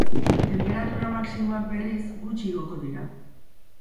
Tenperatura maximoak, berriz, gutxi igoko dira.